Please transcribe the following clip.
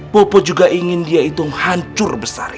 bopo juga ingin dia itu hancur bestari